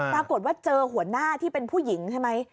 ปรากฏว่าเจอหัวหน้าที่เป็นผู้หญิงใช่ไหม